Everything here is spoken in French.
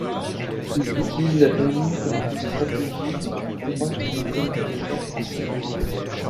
Ils utilisent la Thaïlande comme lieu stratégique pour combattre les colonisateurs français.